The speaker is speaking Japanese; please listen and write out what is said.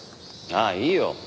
ああいいよ。